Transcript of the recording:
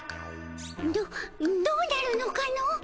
どどうなるのかの？